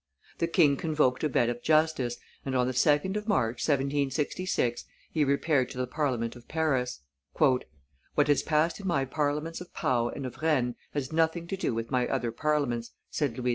The king convoked a bed of justice, and, on the 2d of March, 1766, he repaired to the Parliament of Paris. "What has passed in my Parliaments of Pau and of Rennes has nothing to do with my other Parliaments," said Louis XV.